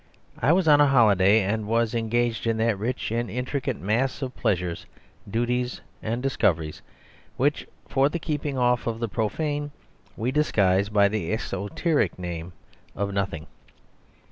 I was on a holiday, and was engaged in that rich and intricate mass of pleasures, duties, and discoveries which for the keeping off of the profane, we disguise by the exoteric name of Nothing.